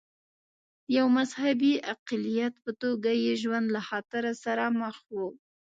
د یوه مذهبي اقلیت په توګه یې ژوند له خطر سره مخ و.